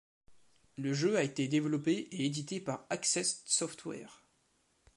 Le jeu a été développé et édité par Access Software.